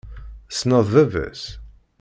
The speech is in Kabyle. Tessneḍ baba-s?